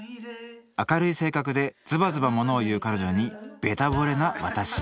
明るい性格でズバズバ物を言う彼女にべたぼれな私